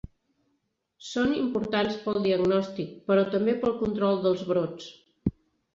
Són importants per al diagnòstic, però també per al control dels brots.